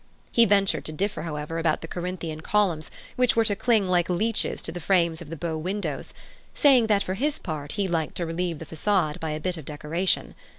He ventured to differ, however, about the Corinthian columns which were to cling like leeches to the frames of the bow windows, saying that, for his part, he liked to relieve the façade by a bit of decoration.